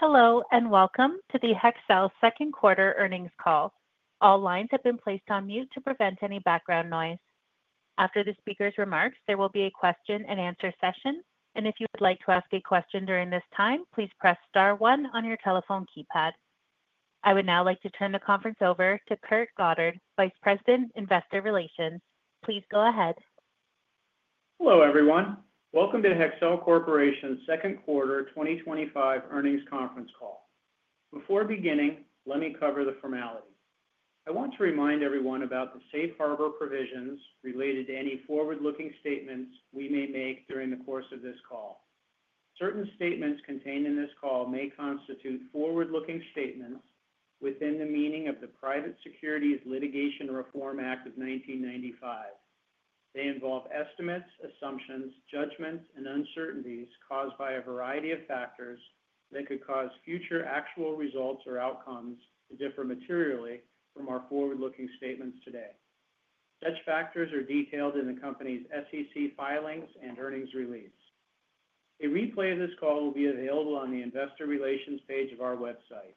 Hello and welcome to the Hexcel second quarter earnings call. All lines have been placed on mute to prevent any background noise. After the speaker's remarks, there will be a question and answer session, and if you would like to ask a question during this time, please press star 1 on your telephone keypad. I would now like to turn the conference over to Kurt Goddard, Vice President, Investor Relations. Please go ahead. Hello everyone. Welcome to Hexcel Corporation second quarter 2025 earnings conference call. Before beginning, let me cover the formality. I want to remind everyone about the safe harbor provisions related to any forward looking statements we may make during the course of this call. Certain statements contained in this call may constitute forward looking statements within the meaning of the Private Securities Litigation Reform Act of 1995. They involve estimates, assumptions, judgments, and uncertainties caused by a variety of factors that could cause future actual results or outcomes to differ materially from our forward looking statements today. Such factors are detailed in the company's SEC filings and earnings release. A replay of this call will be available on the investor relations page of our website.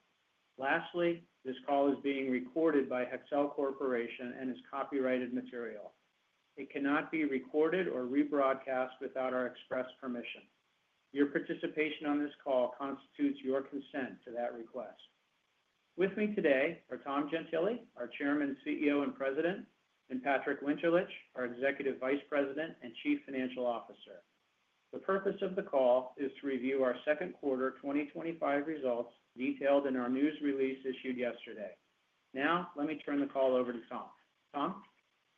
Lastly, this call is being recorded by Hexcel Corporation and is copyrighted material. It cannot be recorded or rebroadcast without our express permission. Your participation on this call constitutes your consent to that request. With me today are Tom Gentile, our Chairman, CEO, and President, and Patrick Winterlich, our Executive Vice President and Chief Financial Officer. The purpose of the call is to review our second quarter 2025 results detailed in our news release issued yesterday. Now let me turn the call over to Tom. Tom.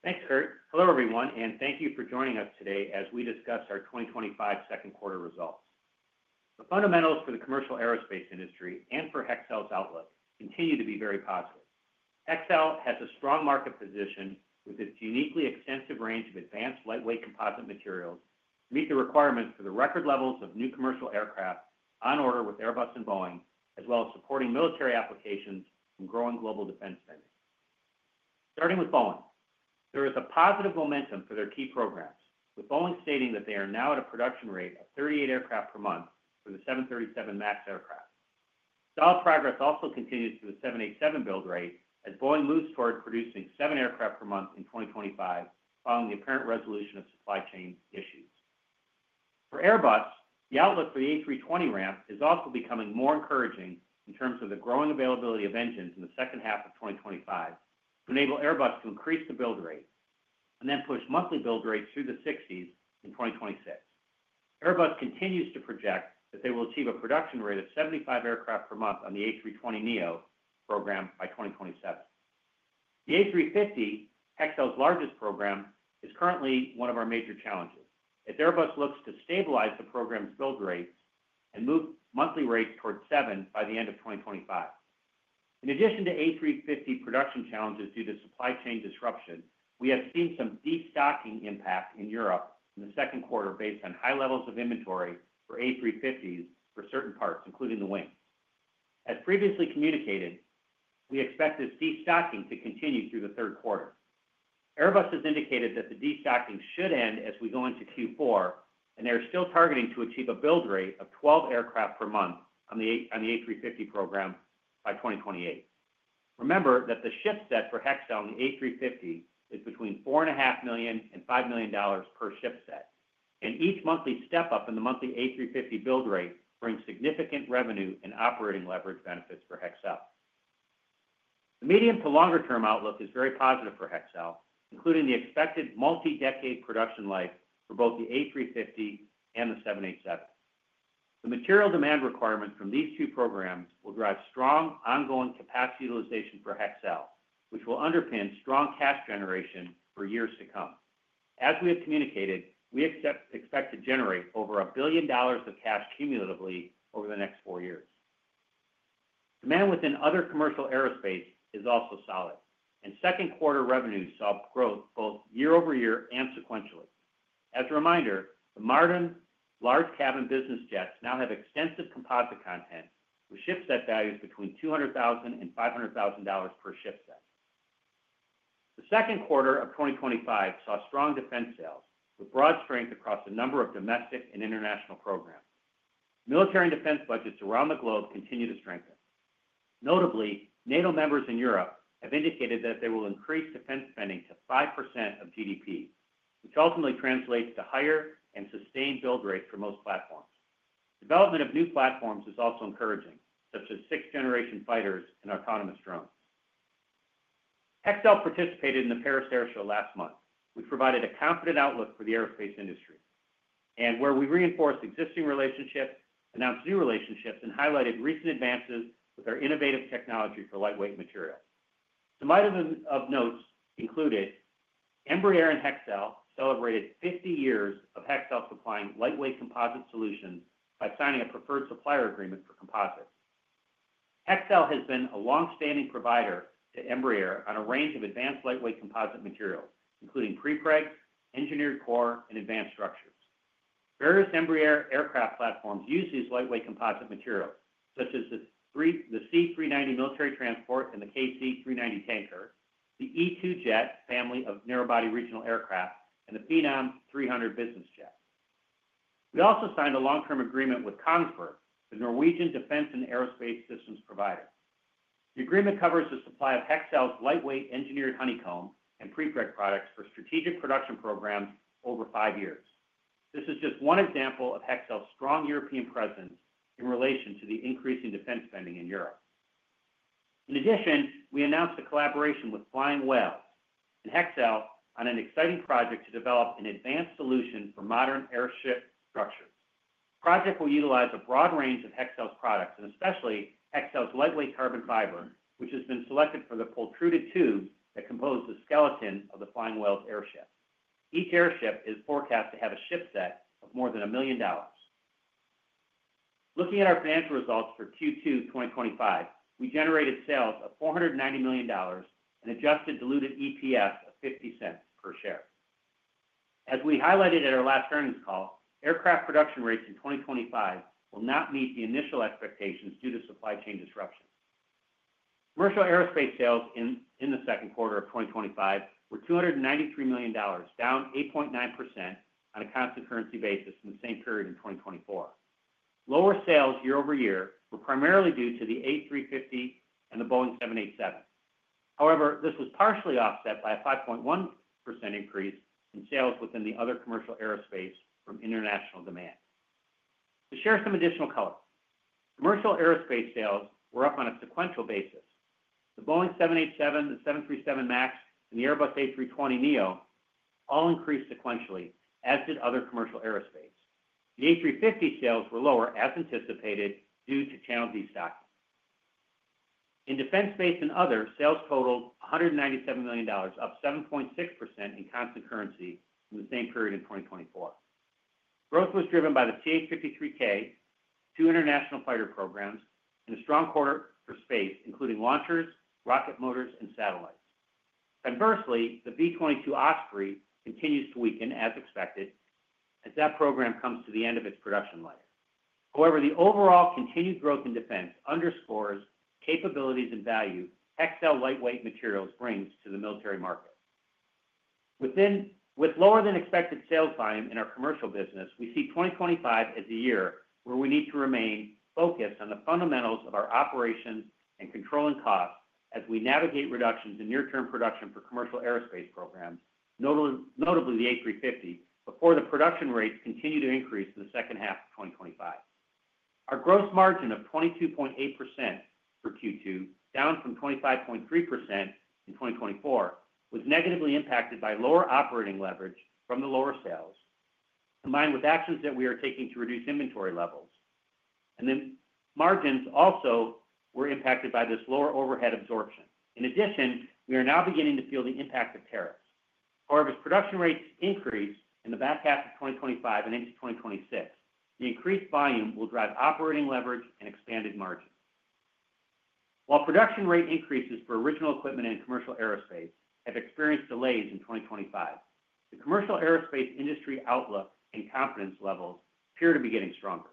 Thanks, Kurt. Hello everyone and thank you for joining us today as we discuss our 2025 second quarter results. The fundamentals for the commercial aerospace industry and for Hexcel's outlook continue to be very positive. Hexcel has a strong market position with its uniquely extensive range of advanced lightweight composite materials to meet the requirements for the record levels of new commercial aircraft on order with Airbus and Boeing, as well as supporting military applications and growing global defense spending. Starting with Boeing, there is a positive momentum for their key programs with Boeing stating that they are now at a production rate of 38 aircraft per month for the 737 MAX aircraft. Solid progress also continues through the 787 build rate as Boeing moves toward producing seven aircraft per month in 2025. Following the apparent resolution of supply chain issues for Airbus, the outlook for the A320 ramp is also becoming more encouraging in terms of the growing availability of engines in the second half of 2025 to enable Airbus to increase the build rate and then push monthly build rates through the 60s in 2026. Airbus continues to project that they will achieve a production rate of 75 aircraft per month on the A320neo program by 2027. The A350, Hexcel's largest program, is currently one of our major challenges as Airbus looks to stabilize the program's build rates and move monthly rates towards seven by the end of 2025. In addition to A350 production challenges due to supply chain disruption, we have seen some destocking impact in Europe in the second quarter based on high levels of inventory for A350s for certain parts, including the wings. As previously communicated, we expect this destocking to continue through the third quarter. Airbus has indicated that the destocking should end as we go into Q4 and they're still targeting to achieve a build rate of 12 aircraft per month on the A350 program by 2028. Remember that the ship set for Hexcel on the A350 is between $4.5 million and $5 million per ship set and each monthly step up in the monthly A350 build rate brings significant revenue and operating leverage benefits for Hexcel. The medium to longer term outlook is very positive for Hexcel, including the expected multi-decade production life for both the A350 and the 787. The material demand requirement from these two programs will drive strong ongoing capacity utilization for Hexcel, which will underpin strong cash generation for years to come. As we have communicated, we expect to generate over $1 billion of cash cumulatively over the next four years. Demand within other commercial aerospace is also solid, and second quarter revenues saw growth both year-over-year and sequentially. As a reminder, the modern large cabin business jets now have extensive composite content with ship set values between $200,000 and $500,000 per ship set. The second quarter of 2025 saw strong defense sales with broad strength across a number of domestic and international programs. Military and defense budgets around the globe continue to strengthen. Notably, NATO members in Europe have indicated that they will increase defense spending to 5% of GDP, which ultimately translates to higher and sustained build rates for most platforms. Development of new platforms is also encouraging, such as sixth generation fighters and autonomous drones. Hexcel participated in the Paris Air Show last month, which provided a confident outlook for the aerospace industry and where we reinforced existing relationships, announced new relationships, and highlighted recent advances with our innovative technology for lightweight material. Some items of note included Embraer and Hexcel celebrating 50 years of Hexcel supplying lightweight composite solutions by signing a preferred supplier agreement for composites. Hexcel has been a long-standing provider to Embraer on a range of advanced lightweight composite materials, including prepregs, engineered core, and advanced structures. Various Embraer aircraft platforms use these lightweight composite materials, such as the C-390 military transport and the KC-390 tanker, the E2 jet family of narrow body regional aircraft, and the Phenom 300 business jet. We also signed a long-term agreement with Kongsberg Defence & Aerospace, the Norwegian defense and aerospace systems provider. The agreement covers the supply of Hexcel's lightweight engineered honeycomb and prepreg products for strategic production programs over five years. This is just one example of Hexcel's strong European presence in relation to the increasing defense spending in Europe. In addition, we announced a collaboration with Flying Whales and Hexcel on an exciting project to develop an advanced solution for modern airship structures. The project will utilize a broad range of Hexcel's products, and especially Hexcel's lightweight carbon fiber, which has been selected for the protruded tubes that compose the skeleton of the Flying Whales airship. Each airship is forecast to have a ship set of more than $1 million. Looking at our financial results for Q2 2025, we generated sales of $490 million and adjusted diluted EPS of $0.50 per share. As we highlighted at our last earnings call, aircraft production rates in 2025 will not meet the initial expectations due to supply chain disruption. Commercial aerospace sales in the second quarter of 2025 were $293 million, down 8.9% on a constant currency basis in the same period in 2024. Lower sales year-over-year were primarily due to the A350 and the Boeing 787. However, this was partially offset by a 5.1% increase in sales within the other commercial aerospace from international demand. To share some additional color, commercial aerospace sales were up on a sequential basis. The Boeing 787, the 737 MAX, and the Airbus A320neo all increased sequentially, as did other commercial aerospace. The A350 sales were lower as anticipated due to channel destocking. In defense, space, and other sales totaled $197 million, up 7.6% in constant currency in the same period in 2024. Growth was driven by the CH-53K, international fighter programs, and a strong quarter for space including launchers, rocket motors, and satellites. Conversely, the V-22 Osprey continues to weaken as expected as that program comes to the end of its production layer. However, the overall continued growth in defense underscores capabilities and value Hexcel lightweight materials brings to the military market. With lower than expected sales volume in our commercial business, we see 2025 as a year where we need to remain focused on the fundamentals of our operations and controlling costs as we navigate reductions in near term production for commercial aerospace programs, notably the A350, before the production rates continue to increase in the second half of 2025. Our gross margin of 22.8% for Q2, down from 25.3% in 2024, was negatively impacted by lower operating leverage from the lower sales combined with actions that we are taking to reduce inventory levels. Margins also were impacted by this lower overhead absorption. In addition, we are now beginning to feel the impact of tariffs. However, production rates increase in the back half of 2025 and into 2026. The increased volume will drive operating leverage and expanded margin. While production rate increases for original equipment in commercial aerospace have experienced delays in 2025, the Commercial Aerospace industry outlook and confidence levels appear to be getting stronger.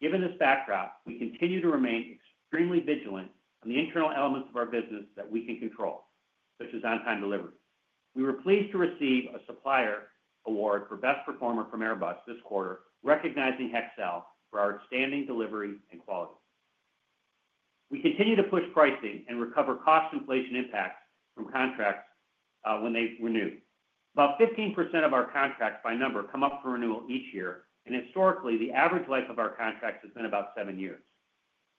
Given this backdrop, we continue to remain extremely vigilant on the internal elements of our business that we can control, such as on-time delivery. We were pleased to receive a Supplier Award for Best Performer from Airbus this quarter, recognizing Hexcel for our outstanding delivery and quality. We continue to push pricing and recover cost inflation impacts from contracts when they renew. About 15% of our contracts by number come up for renewal each year, and historically the average life of our contracts has been about seven years.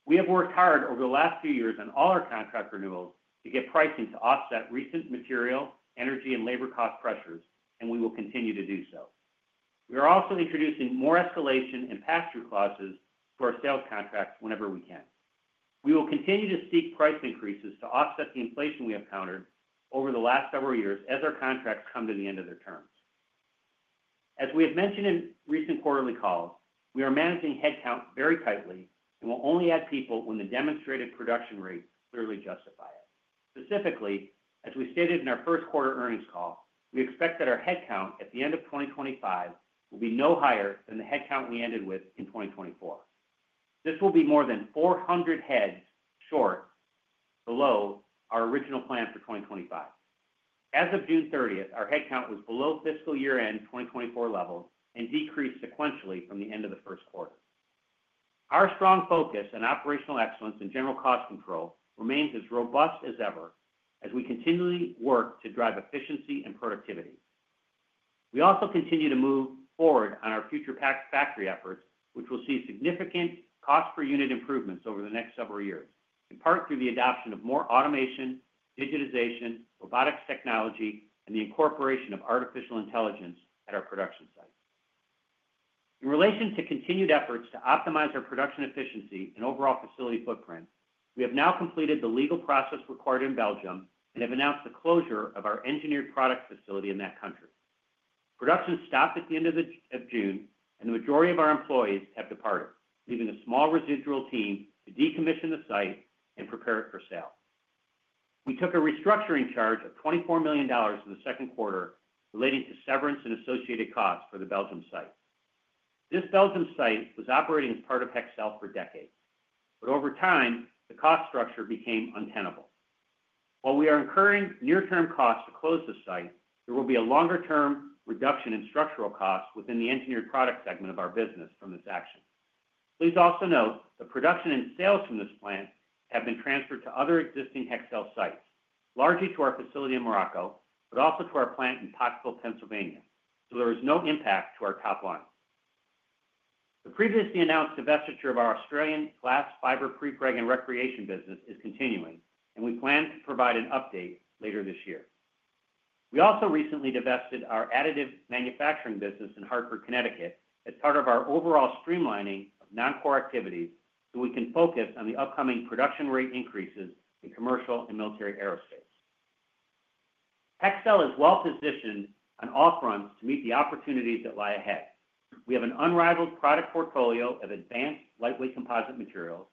We have worked hard over the last few years on all our contract renewals to get pricing to offset recent material, energy, and labor cost pressures, and we will continue to do so. We are also introducing more escalation and pass-through clauses for sales contracts whenever we can. We will continue to seek price increases to offset the inflation we have encountered over the last several years as our contracts come to the end of their terms. As we have mentioned in recent quarterly calls, we are managing headcount very tightly and will only add people when the demonstrated production rate clearly justifies it. Specifically, as we stated in our first quarter earnings call, we expect that our headcount at the end of 2025 will be no higher than the headcount we ended with in 2024. This will be more than 400 heads below our original plan for 2025. As of June 30th, our headcount was below the fiscal year-end 2024 level and decreased sequentially from the end of the first quarter. Our strong focus on operational excellence and general cost control remains as robust as ever as we continually work to drive efficiency and productivity. We also continue to move forward on our future factory efforts, which will see significant cost per unit improvements over the next several years, in part through the adoption of more automation, digitization, robotics technology, and the incorporation of artificial intelligence at our production sites. In relation to continued efforts to optimize our production efficiency and overall facility footprint, we have now completed the legal process required in Belgium and have announced the closure of our engineered products facility in that country. Production stopped at the end of June and the majority of our employees have departed, leaving a small residual team to decommission the site and prepare it for sale. We took a restructuring charge of $24 million in the second quarter relating to severance and associated costs for the Belgium site. This Belgium site was operating as part of Hexcel for decades, but over time the cost structure became untenable. While we are incurring near term costs to close the site, there will be a longer term reduction in structural costs within the engineered products segment of our business. From this action, please also note the production and sales from this plant have been transferred to other existing Hexcel sites, largely to our facility in Morocco, but also to our plant in Pottsville, Pennsylvania, so there is no impact to our top line. The previously announced divestiture of our Australian glass fiber prepreg and recreation business is continuing and we plan to provide an update later this year. We also recently divested our additive manufacturing business in Hartford, Connecticut as part of our overall streamlining of non-core activities so we can focus on the upcoming production rate increases in commercial and military aerospace. Hexcel is well positioned to on off runs to meet the opportunities that lie ahead. We have an unrivaled product portfolio of advanced lightweight composite materials.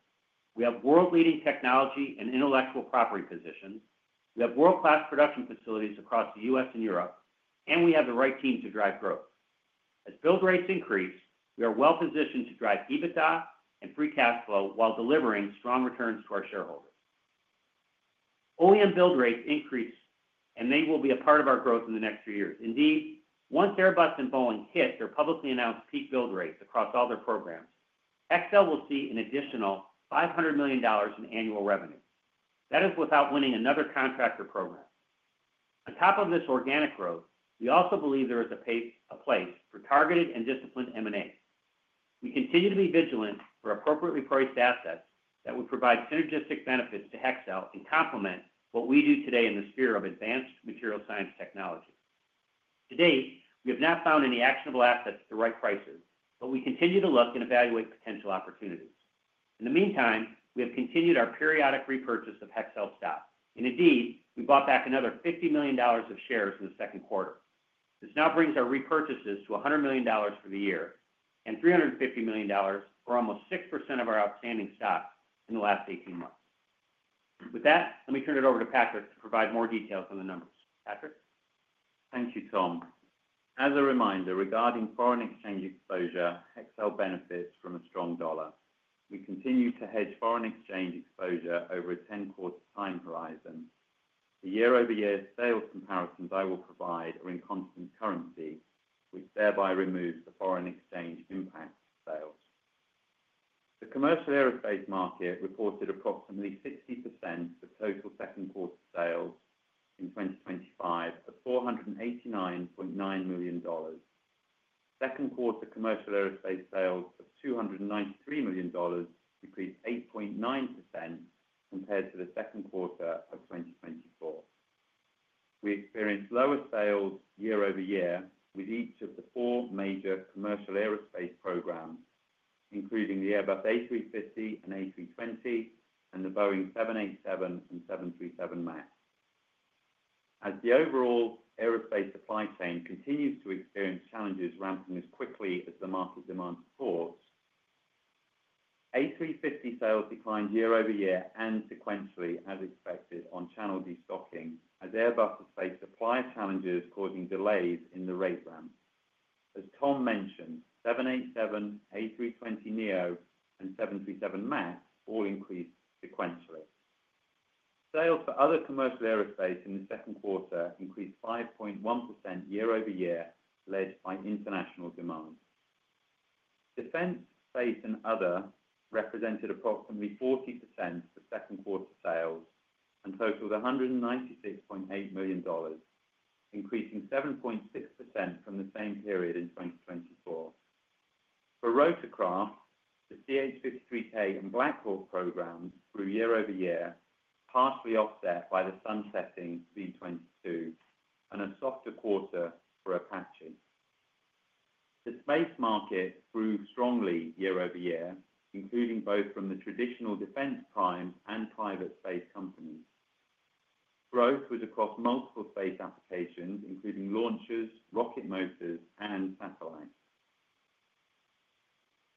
We have world-leading technology and intellectual property positions, we have world-class production facilities across the U.S. and Europe, and we have the right team to drive growth as build rates increase. We are well positioned to drive EBITDA and free cash flow while delivering strong returns to our shareholders. O`EM build rates increase and they will be a part of our growth in the next few years. Indeed, once Airbus and Boeing hit their publicly announced peak build rates across all their programs, Hexcel will see an additional $500 million in annual revenue. That is without winning another contract or program. On top of this organic growth, we also believe there is a place for targeted and disciplined M&A. We continue to be vigilant for appropriately priced assets that would provide synergistic benefits to Hexcel and complement what we do today in the sphere of advanced material science technology. To date we have not found any actionable assets at the right prices, but we continue to look and evaluate potential opportunities. In the meantime, we have continued our periodic repurchase of Hexcel stock, and indeed we bought back another $50 million of shares in the second quarter. This now brings our repurchases to $100 million for the year and $350 million for almost 6% of our outstanding stock in the last 18 months. With that, let me turn it over to Patrick to provide more details on the numbers. Patrick. Thank you, Tom. As a reminder regarding foreign exchange exposure, Hexcel benefits from a strong dollar. We continue to hedge foreign exchange exposure over a ten-quarter time horizon. The year-over-year sales comparisons I will provide are in constant currency, which thereby removes the foreign exchange impact. Sales in the commercial aerospace market reported approximately 60% of total second quarter sales in 2025 of $489.9 million. Second quarter commercial aerospace sales of $293 million decreased 8.9% compared to the second quarter of 2024. We experienced lower sales year-over-year with each of the four major commercial aerospace programs, including the Airbus A350 and A320neo and the Boeing 787 and 737 MAX, as the overall aerospace supply chain continues to experience challenges ramping as quickly as the market demand. A350 sales declined year-over-year and sequentially as expected on channel destocking as Airbus has faced supply challenges causing delays in the rate ramp. As Tom mentioned, 787, A320neo, and 737 MAX all increased sequentially. Sales for other commercial aerospace in the second quarter increased 5.1% year-over-year, led by international demand. Defense, Space, and Other represented approximately 40% of second quarter sales and totaled $196.8 million, increasing 7.6% from the same period in 2024. For Rotorcraft, the CH-53K and Black Hawk programs grew year-over-year, partially offset by the sunsetting V-22 and a softer quarter for Apache. The space market grew strongly year-over-year, including both from the traditional defense prime and private space companies. Growth was across multiple space applications, including launchers, rocket motors, and satellites.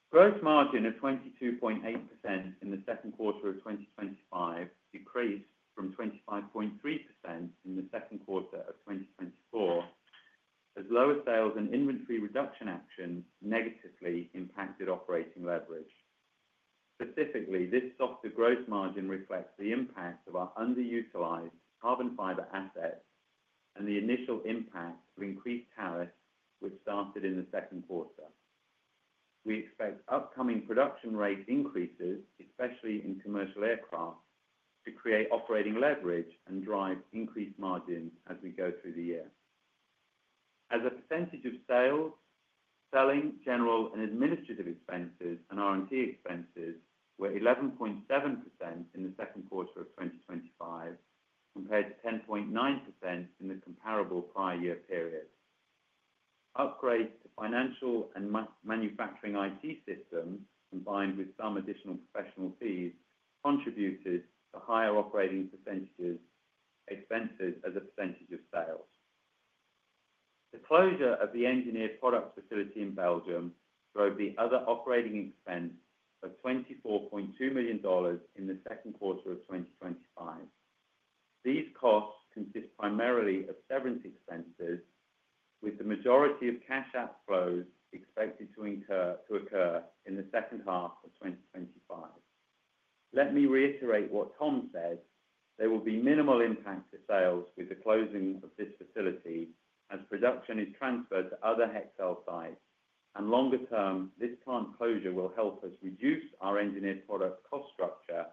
Gross margin of 22.8% in the second quarter of 2025 decreased from 25.3% in the second quarter of 2024 as lower sales and inventory reduction actions negatively impacted operating leverage. Specifically, this softer gross margin reflects the impact of our underutilized carbon fiber assets and the initial impact of increased tariffs, which started in the second quarter. We expect upcoming production rate increases, especially. In commercial aircraft, to create operating leverage and drive increased margins as we go through the year. As a percentage of sales, selling, general and administrative expenses and R&D expenses were 11.7% in the second quarter of 2025 compared to 10.9% in the comparable prior year period. Upgrades to financial and manufacturing IT systems combined with some additional professional fees contributed to higher operating expenses as a percentage of sales. The closure of the engineered products facility in Belgium drove the other operating expense of $24.2 million in the second quarter of 2025. These costs consist primarily of severance expenses with the majority of cash outflows expected to occur in the second half of 2025. Let me reiterate what Tom said. There will be minimal impact to sales with the closing of this facility as production is transferred to other Hexcel sites and longer term, this plant closure will help us reduce our engineered product cost structure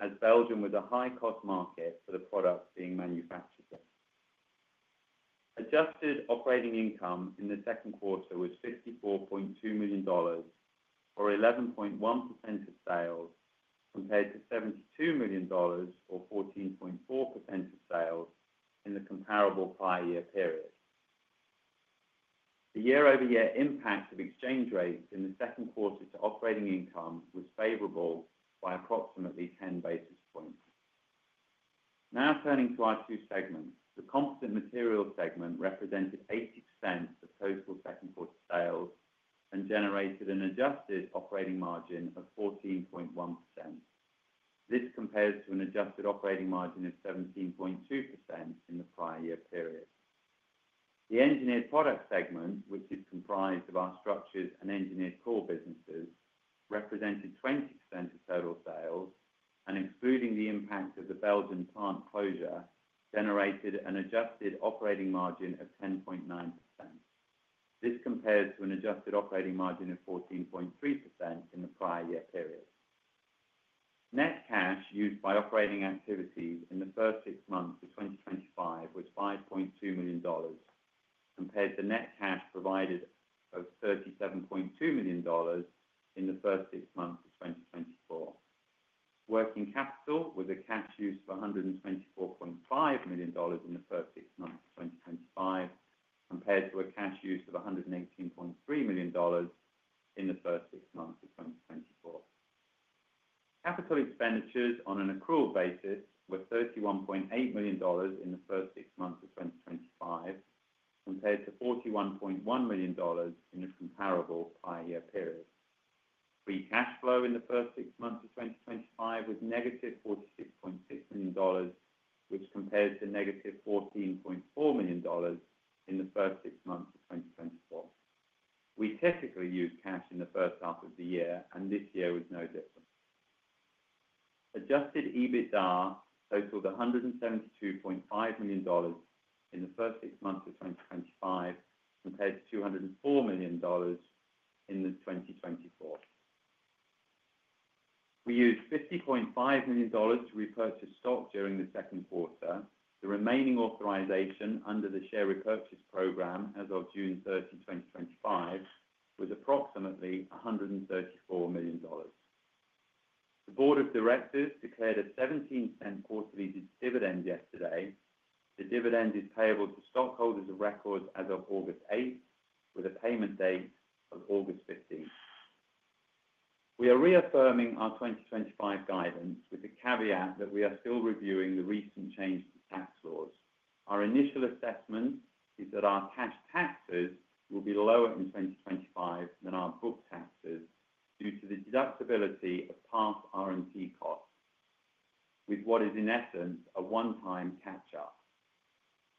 as Belgium was a high-cost market for the product being manufactured. Adjusted operating income in the second quarter was $54.2 million or 11.1% of sales compared to $72 million or 14.4% of sales in the comparable prior year period. The year-over-year impact of exchange rates in the second quarter to operating income was favorable by approximately 10 basis points. Now turning to our two segments. The Composite Materials segment represented 80% of total second quarter sales, generated an adjusted operating margin of 14.1%. This compares to an adjusted operating margin of 17.2% in the prior year period. The Engineered Products segment, which is comprised of our structures and engineered core businesses, represented 20% of total sales and excluding the impact of the Belgian plant closure, generated an adjusted operating margin of 10.9%. This compares to an adjusted operating margin of 14.3% in the prior year period. Net cash used by operating activities in the first six months of 2025 was $5.2 million compared to net cash provided of $37.2 million in the first six months of 2024. Working capital was a cash use of $124.5 million in the first six months of 2025 compared to a cash use of $118.3 million in the first six months of 2022. Capital expenditures on an accrual basis were $31.8 million in the first six months of 2025 compared to $41.1 million in a comparable prior year period. Free cash flow in the first six months of 2025 was negative $46.6 million, which compared to negative $14.4 million in the first six months of 2024. We typically use cash in the first half of the year, and this year was no different. Adjusted EBITDA totaled $172.5 million in the first six months of 2025, compared to $204 million. We used $50.5 million to repurchase stock during the second quarter. The remaining authorization under the share repurchase program as of June 30, 2025 was approximately $134 million. The Board of Directors declared a 17% quarterly dividend yesterday. The dividend is payable to stockholders of record as of August 8 with a payment date of August 15. We are reaffirming our 2025 guidance with the caveat that we are still reviewing the recent change to tax laws. Our initial assessment is that our cash taxes will be lower in 2025 than our book taxes due to the deductibility of past R&D costs with what is in essence a one-time catch up.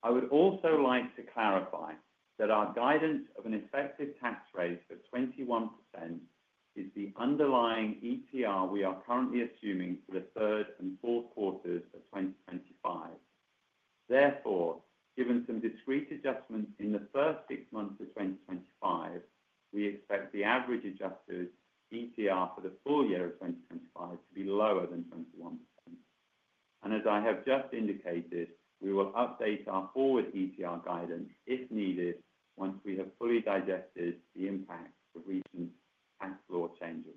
I would also like to clarify that our guidance of an effective tax rate of 21% is the underlying ETR we are currently assuming for the third and fourth quarters of 2025. Therefore, given some discrete adjustments in the first six months of 2025, we expect the average adjusted ETR for the full year of 2025 to be lower than 21%. As I have just indicated, we will update our forward ETR guidance if needed once we have fully digested the impact of recent tax law changes.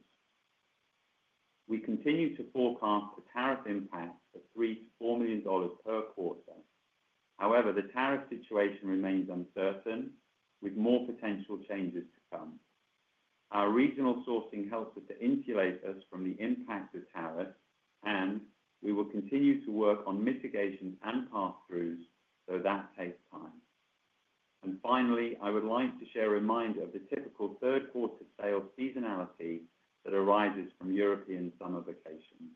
We continue to forecast a tariff impact of $3 million-$4 million per quarter. However, the tariff situation remains uncertain with more potential changes to come. Our regional sourcing helps us to insulate us from the impact of tariffs, and we will continue to work on mitigation and pass throughs. That takes time. Finally, I would like to share a reminder of the typical third quarter sales seasonality that arises from European summer vacations.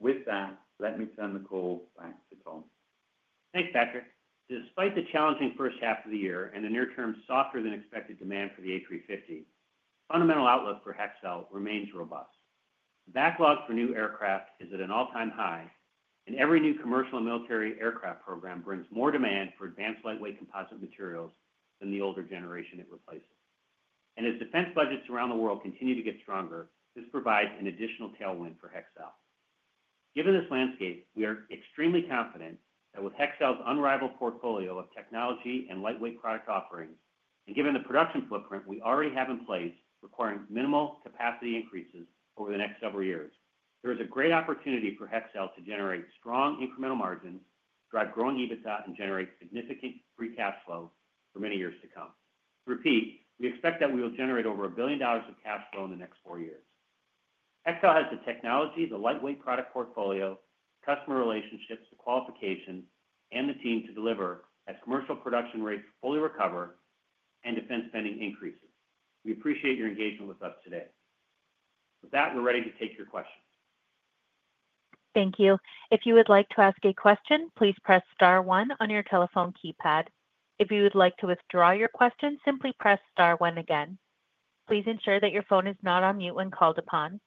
With that, let me turn the call back to Tom. Thanks, Patrick. Despite the challenging first half of the year and the near-term softer than expected demand for the A350, the fundamental outlook for Hexcel remains robust. Backlog for new aircraft is at an all-time high, and every new commercial and military aircraft program brings more demand for advanced lightweight composite materials than the older generation it replaces. As defense budgets around the world continue to get stronger, this provides an additional tailwind for Hexcel. Given this landscape, we are extremely confident that with Hexcel's unrivaled portfolio of technology and lightweight product offerings, and given the production footprint we already have in place, requiring minimal capacity increases over the next several years, there is a great opportunity for Hexcel to generate strong incremental margins, drive growing EBITDA, and generate significant free cash flow for many years to come. We expect that we will generate over $1 billion of cash flow in the next four years. Hexcel has the technology, the lightweight product portfolio, customer relationships, the qualification, and the team to deliver as commercial production rates fully recover and defense spending increases. We appreciate your engagement with us today. With that, we're ready to take your questions. Thank you. If you would like to ask a question, please press star one on your telephone keypad. If you would like to withdraw your question, simply press star one again. Please ensure that your phone is not on mute when called upon.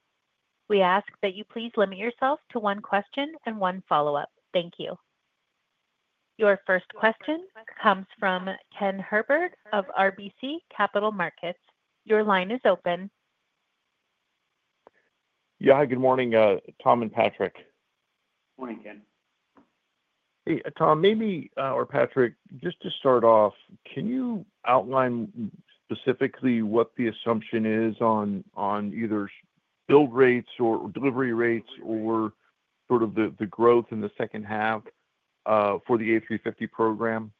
We ask that you please limit yourself to one question and one follow-up. Thank you. Your first question comes from Ken Herbert of RBC Capital Markets. Your line is open. Yeah, good morning, Tom and Patrick. Good morning, Ken. Hey, Tom, or Patrick, just to. Start off, can you outline specifically what? The assumption is on either build rates or delivery rates or sort of the growth in the second half for the A350 program?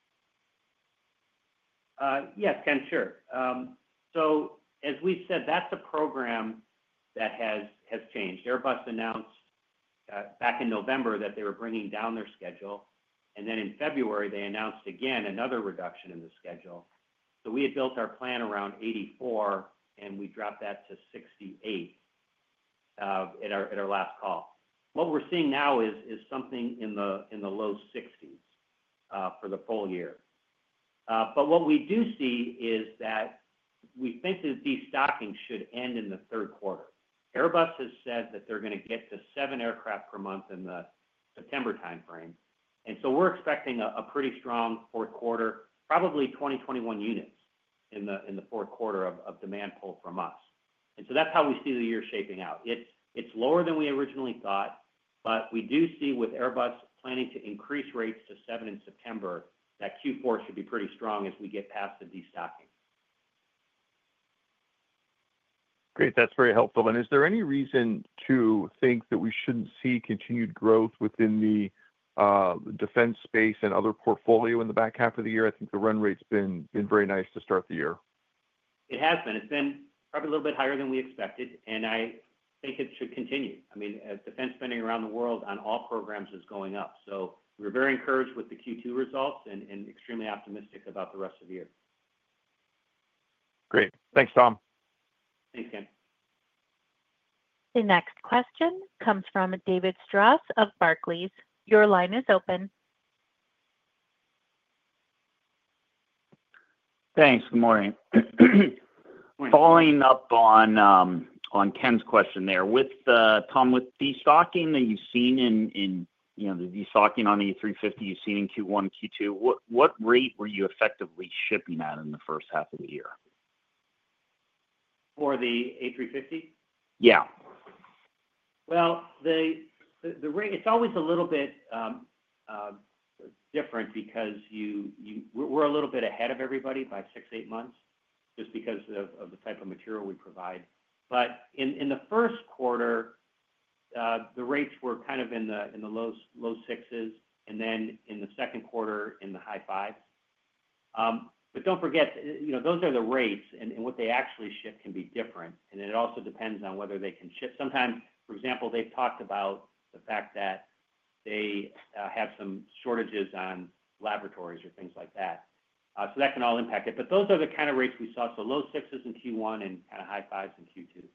Yes, Ken, sure. As we said, that's a program that has changed. Airbus announced back in November that they were bringing down their schedule, and then in February, they announced again another reduction in the schedule. We had built our plan around 84, and we dropped that to 60 at our last call. What we're seeing now is something in the low 60s for the full year. We do see that we think that destocking should end in the third quarter. Airbus has said that they're going to get to seven aircraft per month in the September timeframe. We're expecting a pretty strong fourth quarter, probably 20, 21 units in the fourth quarter of demand pull from us. That's how we see the year shaping out. It's lower than we originally thought, but we do see with Airbus planning to increase rates to 7th in September, that Q4 should be pretty strong as we get past the destocking. Great. That's very helpful. Is there any reason to think that we shouldn't see continued growth within the defense space and other portfolio in the back half of the year? I think the run rate's been very nice to start the year. It has been probably a little bit higher than we expected, and I think it should continue. I mean, defense spending around the world on all programs is going up. We are very encouraged with the Q2 results and extremely optimistic about the rest of the year. Great. Thanks, Tom. Thanks, Ken. The next question comes from David Strauss of Barclays. Your line is open. Thanks. Good morning. Following up on Ken's question there with Tom, with destocking that you've seen in, you know, the destocking on the A350 you've seen in Q1, Q2, what rate were you effectively shipping at in the first half of the year for the A350? The rate, it's always a little bit different because we're a little bit ahead of everybody by six, eight months just because of the type of material we provide. In the first quarter, the rates were kind of in the low sixes, and then in the second quarter in the high fives. Don't forget, those are the rates, and what they actually ship can be different. And. It also depends on whether they can ship sometimes. For example, they've talked about the fact that they have some shortages on laboratories or things like that. That can all impact it. Those are the kind of rates we saw, so low sixes in Q1 and kind of high fives in Q2.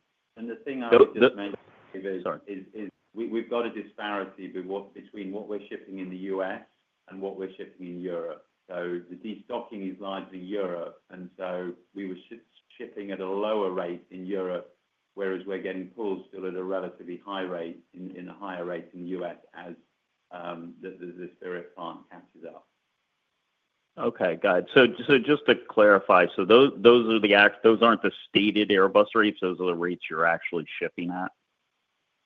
The thing I just mentioned is. We've got a disparity between what we're shipping in the U.S. and what we're shipping in Europe. The destocking is largely Europe, and we were shipping at a lower rate in Europe, whereas we're getting pulls still at a relatively high rate, a higher rate, in the U.S. as the Spirit plant catches up. Okay, good. Just to clarify, those aren't the stated Airbus rates. Those are the rates you're actually shipping at.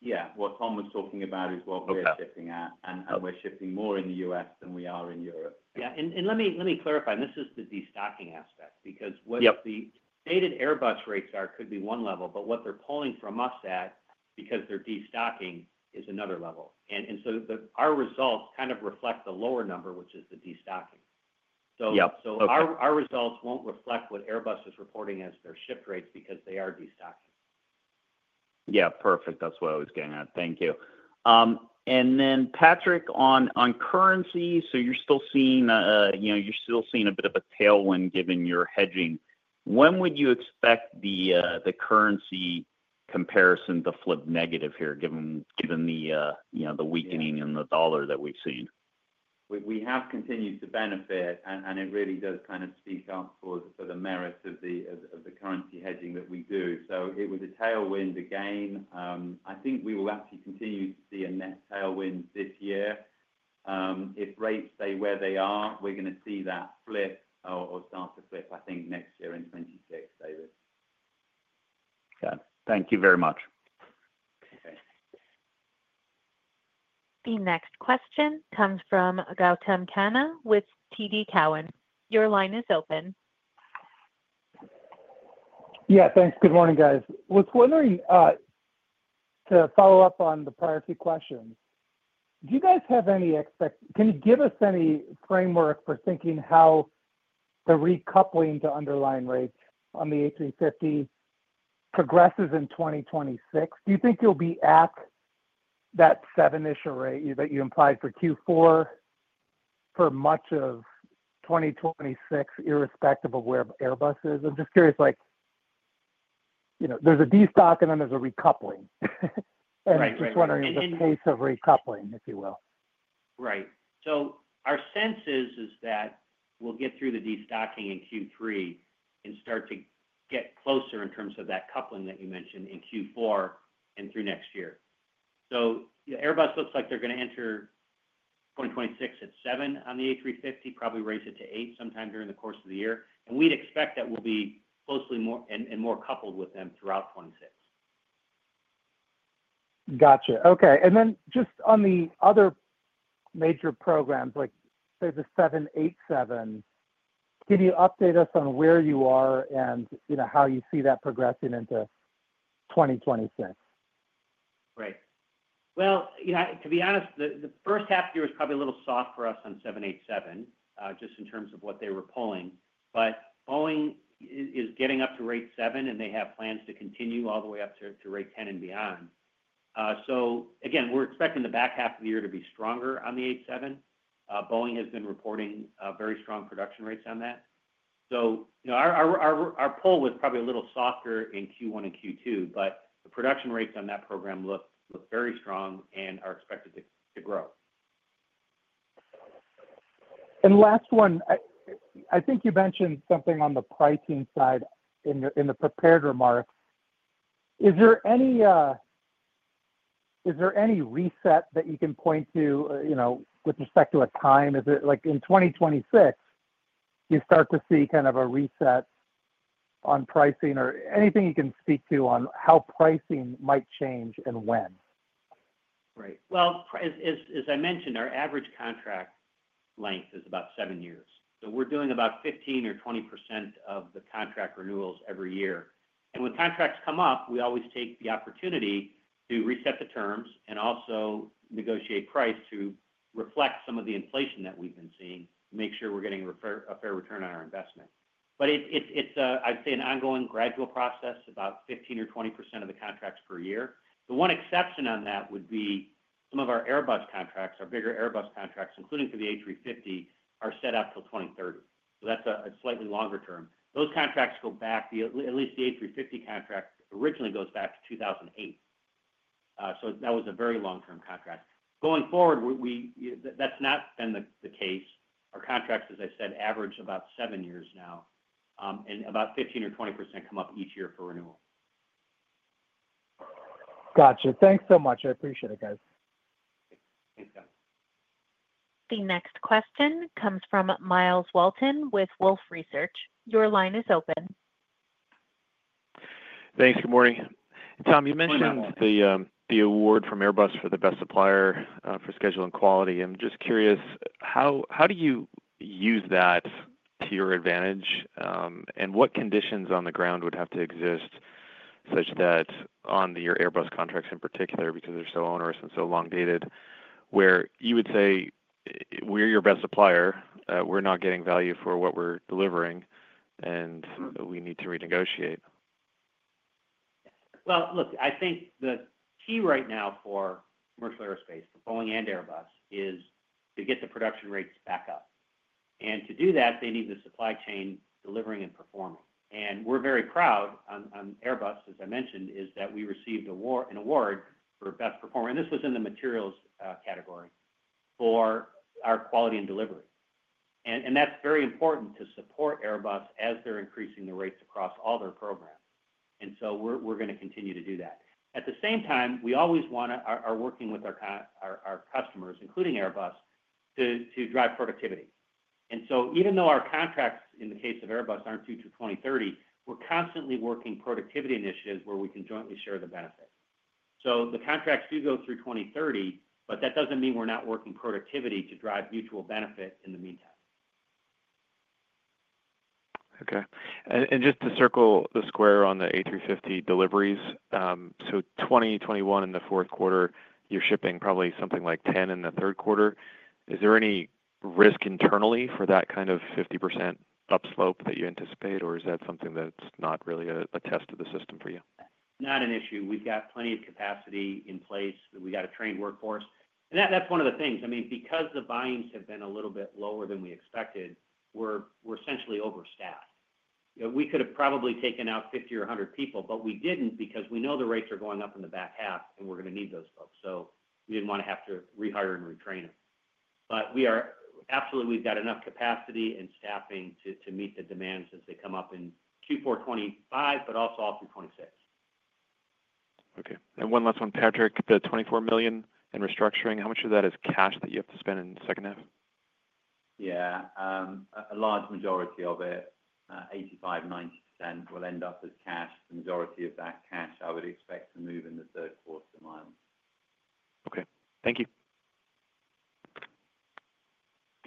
Yeah. What Tom was talking about is what we're shipping at, and we're shipping more in the U.S. than we are in Europe. Let me clarify. This is the destocking aspect because what the stated Airbus rates are could be one level, but what they're pulling from us because they're destocking is another level. Our results kind of reflect the lower number, which is the destocking. Our results won't reflect what Airbus is reporting as their shift rates because they are destocking. Yeah, perfect. That's what I was getting at. Thank you. Patrick, on currency, you're still seeing a bit of a tailwind given your hedging. When would you expect the currency comparison to flip negative here, given the weakening in the dollar? We've seen. We have continued to benefit and it really does kind of speak for the merits of the currency hedging that we do. It was a tailwind again. I think we will actually continue to see a net tailwind this year. If rates stay where they are, we're going to see that flip or start a flip, I think, next year in 2026. David. Thank you very much. The next question comes from Gautam Khanna with TD Cowen. Your line is open. Yeah, thanks. Good morning, guys. Was wondering to follow up on the prior two questions, do you guys have any expectations, can you give us any framework for thinking how the recoupling to underlying rates on the A350 progresses in 2026? Do you think you'll be at that 7 issue rate that you implied for Q4 for much of 2026, irrespective of where Airbus is? I'm just curious, like, you know, there's a destock and then there's a recoupling. I'm just wondering the pace of. Recoupling, if you will. Right. Our sense is that we'll get through the destocking in Q3 and start to get closer in terms of that coupling that you mentioned in Q4 and through next year. Airbus looks like they're going to enter 2026 at 7 on the A350, probably raise it to eight sometime during the course of the year, and we'd expect that we'll be closely more and more coupled with them throughout 2026. Gotcha. Okay. Just on the other major programs like the 787, can you update us on where you are and how you see that progressing into 2026, right? To be honest, the first half year was probably a little soft for us on 787 just in terms of what they were pulling. Boeing is getting up to rate seven and they have plans to continue all the way up to rate 10 and beyond. Again, we're expecting the back half of the year to be stronger on the 787. Boeing has been reporting very strong production rates on that. Our pull was probably a little softer in Q1 and Q2, but the production rates on that program look very strong and are expected to grow. I think you mentioned something on the pricing side in your prepared remarks. Is there any reset that you can point to with respect to a time? Is it like in 2026, you start to see kind of a reset on pricing or anything you can speak to on how pricing might change and when? Right. As I mentioned, our average contract length is about seven years. We're doing about 15% or 20% of the contract renewals every year. When contracts come up, we always take the opportunity to reset the terms and also negotiate price to reflect some of the inflation that we've been seeing, make sure we're getting a fair return on our investment. It's an ongoing gradual process, about 15% or 20% of the contracts per year. The one exception on that would be some of our Airbus contracts. Our bigger Airbus contracts, including for the A350, are set up till 2030, so that's a slightly longer term. Those contracts go back at least. The A350 contract originally goes back to 2008. That was a very long term contract going forward. That's not been the case. Our contracts, as I said, average about seven years now and about 15% or 20% come up each year for renewal. it. Thanks so much. I appreciate it, guys. The next question comes from Myles Walton with Wolfe Research. Your line is open. Thanks. Good morning, Tom. You mentioned the award from Airbus for the best supplier for schedule and quality. I'm just curious, how do you use that to your advantage, and what conditions on the ground would have to exist such that on your Airbus contracts in particular, because they're so onerous and so long dated, where you would say we're your best supplier, we're not getting value for what we're delivering, and we need to renegotiate. I think the key right now for commercial aerospace for Boeing and Airbus is to get the production rates back up. To do that, they need the supply chain delivering and performing. We're very proud on Airbus, as I mentioned, that we received an award for best performer, and this was in the materials category for our quality and delivery. That's very important to support Airbus as they're increasing the rates across all their programs. We're going to continue to do that. At the same time, we always are working with our customers, including Airbus, to drive productivity. Even though our contracts in the case of Airbus aren't due to 2030, we're constantly working productivity initiatives where we can jointly share the benefit. The contracts do go through 2030, but that doesn't mean we're not working productivity to drive mutual benefit in the meantime. Okay, just to circle the square on the A350 deliveries. In 2021 in the fourth quarter, you're shipping probably something like 10 in the third quarter. Is there any risk internally for that kind of 50% upslope that you anticipate, or is that something that's not really a test of the system for you? Not an issue. We've got plenty of capacity in place. We've got a trained workforce, and that's one of the things. I mean, because the volumes have been a little bit lower than we expected, we're essentially overstaffed. We could have probably taken out 50 or 100 people, but we didn't because we know the rates are going up in the back half and we're going to need those folks. We didn't want to have to rehire and retrain them, but we are, absolutely. We've got enough capacity and staffing to meet the demands as they come up in Q4 2025, but also all 326. Okay, and one last one, Patrick. The $24 million in restructuring, how much of that is cash that you have to spend in the second half? Yeah, a large majority of it, 85% to 90%, will end up as cash, and majority of that cash I would expect to move in the third quater, Myles. Okay, thank you.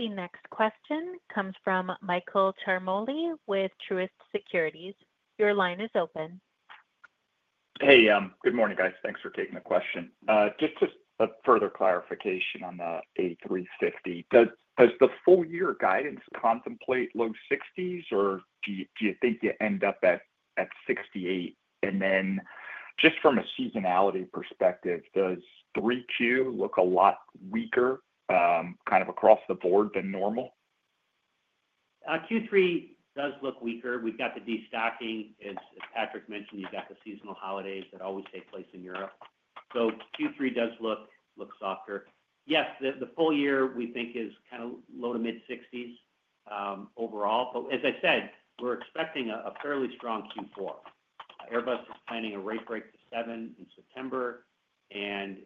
The next question comes from Michael Ciarmoli with Truist Securities. Your line is open. Hey, good morning, guys. Thanks for taking the question. Just a further clarification on the A350. Does the full year guidance contemplate low 60s or do you think you end up at? At 68? From a seasonality perspective, does 3Q look a lot weaker across the board than normal? Q3 does look weaker. We've got the destocking, as Patrick mentioned, you've got the seasonal holidays that always take place in Europe. Q3 does look softer. Yes, the full year, we think, is kind of low to mid-60s overall. As I said, we're expecting a fairly strong Q4. Airbus is planning a rate break to 7th in September, and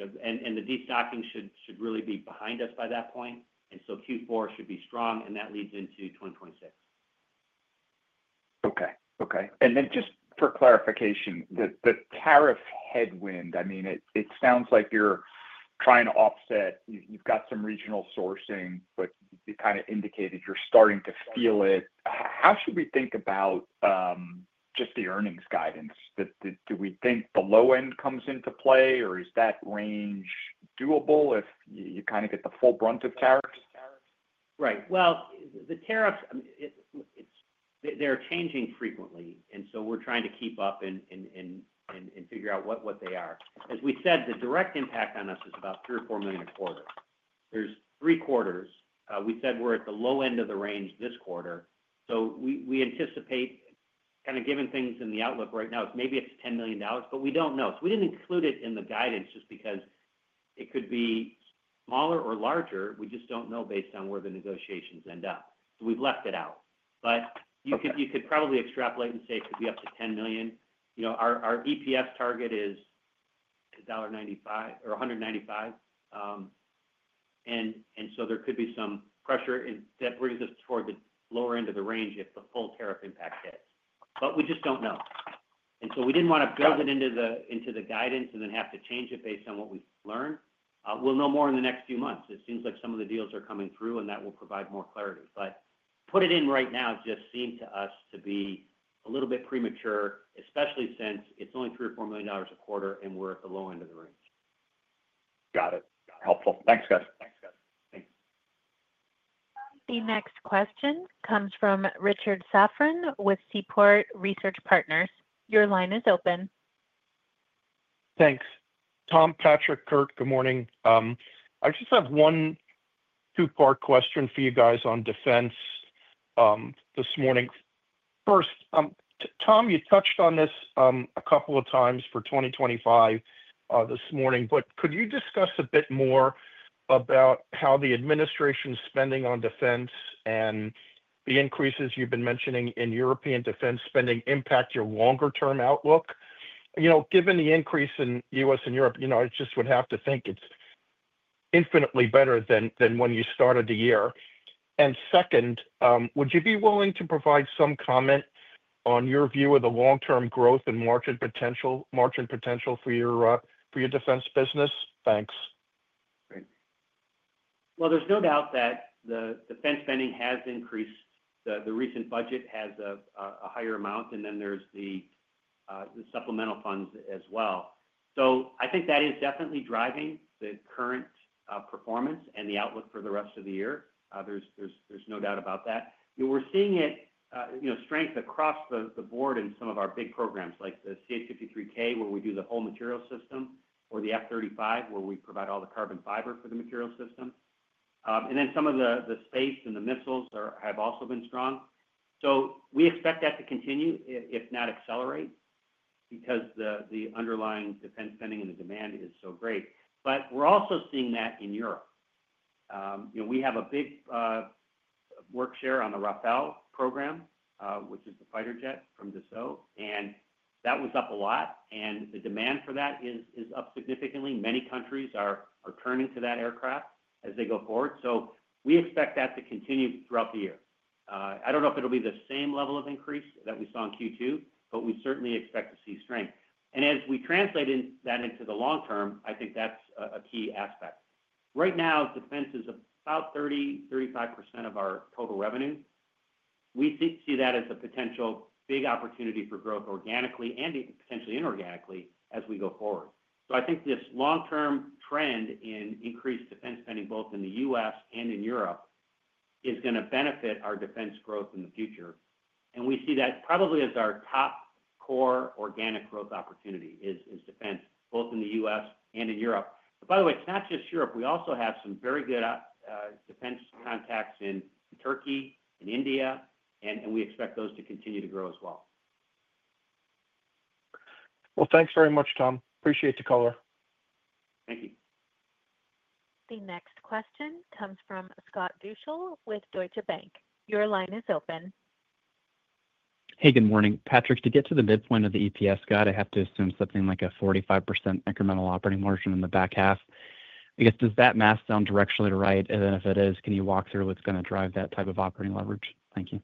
the destocking should really be behind us by that point. Q4 should be strong, and that leads into 2026. Okay, okay. Just for clarification, the tariff headwind, I mean, it sounds like you're trying to offset. You've got some regional sourcing, but kind of indicated you're starting to feel it. How should we think about just the earnings guidance, do we think the low end comes into play or is that range doable if you kind of get the full brunt of tariffs? Right. The tariffs, they're changing frequently, and we're trying to keep up and figure out what they are. As we said, the direct impact on us is about $3 million or $4 million a quarter. There's three quarters. We said we're at the low end of the range this quarter. We anticipate, given things in the outlook right now, maybe it's $10 million, but we don't know. We didn't include it in the guidance just because it could be smaller or larger. We just don't know. Based on where the negotiations end up, we've left it out, but you could probably extrapolate and say it could be up to $10 million. Our EPS target is $1.95, and there could be some pressure that brings us toward the lower end of the range if the full tariff impact hits. We just don't know. We didn't want to build it into the guidance and then have to change it based on what we learned. We'll know more in the next few months. It seems like some of the deals are coming through, and that will provide more clarity. To put it in right now just seemed to us to be a little bit premature, especially since it's only $3 million or $4 million a quarter and we're at the low end of the range. Got it. Helpful. Thanks guys. Thanks, guys. Thanks. The next question comes from Richard Safran with Seaport Research Partners. Your line is open. Thanks, Tom. Patrick, Kurt, good morning. I just have one two-part question for you guys on defense this morning. First, Tom, you touched on this a couple of times for 2025 this morning, but could you discuss a bit more about how the administration spending on defense and the increases you've been mentioning in European defense spending impact your longer-term outlook? You know, given the increase in U.S. and Europe, I just would have to think it's infinitely better than when you started the year. Second, would you be willing to provide some comment on your view of the long-term growth and margin potential for your defense business? Thanks. There is no doubt that the defense spending has increased. The recent budget has a higher amount and then there are the supplemental funds as well. I think that is definitely driving the current performance and the outlook for the rest of the year. There is no doubt about that. We are seeing strength across the board in some of our big programs like the CH-53K where we do the whole material system, or the F-35 where we provide all the carbon fiber for the material system. Some of the space and the missiles have also been strong. We expect that to continue, if not accelerate, because the underlying defense spending and the demand is so great. We are also seeing that in Europe we have a big work share on the Rafale program, which is the fighter jet from Dassault. That was up a lot and the demand for that is up significantly. Many countries are turning to that aircraft as they go forward. We expect that to continue throughout the year. I do not know if it will be the same level of increase that we saw in Q2, but we certainly expect to see strength. As we translate that into the long term, I think that is a key aspect. Right now defense is about 30%-35% of our total revenue. We see that as a potential big opportunity for growth organically and potentially inorganically as we go forward. I think this long term trend in increased defense spending both in the U.S. and in Europe is going to benefit our defense growth in the future. We see that probably as our top core organic growth opportunity is defense, both in the U.S. and in Europe. By the way, it is not just Europe. We also have some very good defense contacts in Türkey and India and we expect those to continue to grow as well. Thank you very much, Tom. Appreciate the color. Thank you. The next question comes from Scott Deuschle with Deutsche Bank. Your line is open. Hey, good morning, Patrick. To get to the midpoint of the EPS guide, I have to assume something like a 45% incremental operating margin in the back half, I guess. Does that math sound directionally right? If it is, can you walk through what's going to drive that type of operating leverage? Thank you.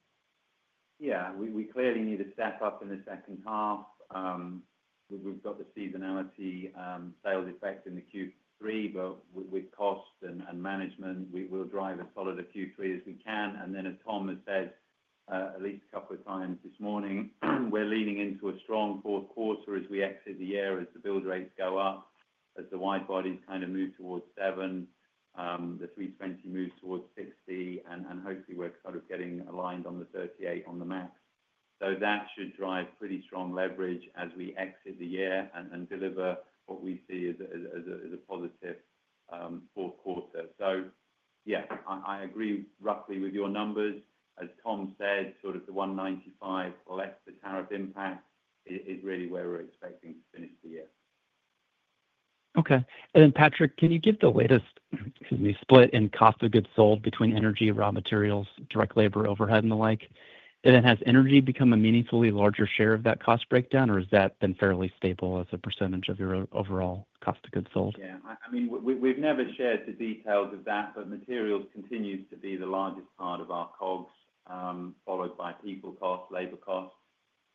Yeah, we clearly need a step up. In the second half. We've got the seasonality sales effect in Q3, but with cost and management, we will drive as solid a Q3 as we can. As Tom has said at least a couple of times this morning, we're leaning into a strong fourth quarter as we exit the year, as the build rates go up, as the widebodies kind of move towards 7, the 320 moves towards 60, and hopefully we're sort of getting aligned on the 38 on the MAX. That should drive pretty strong leverage as we exit the year and deliver what we see as a positive fourth quarter. Yeah, I agree roughly with your numbers. As Tom said, sort of the 195 or less. The tariff impact is really where we're expecting to finish the year. Okay, Patrick, can you give. The latest split in cost of goods sold between energy, raw materials, direct labor, overhead, and the like? Has energy become a meaningfully larger share of that cost breakdown, or has that been fairly stable as a percentage of your overall cost of goods sold? Yeah, I mean, we've never shared the details of that, but materials continues to be the largest part of our COGS, followed by people costs, labor costs.